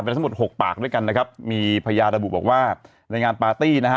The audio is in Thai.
ทั้งหมดหกปากด้วยกันนะครับมีพยานระบุบอกว่าในงานปาร์ตี้นะฮะ